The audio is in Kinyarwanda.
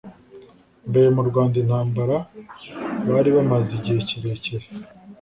mbere mu rwanda intambara bari bamaze igihe kirekire